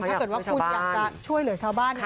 ถ้าเกิดว่าคุณอยากจะช่วยเหลือชาวบ้าน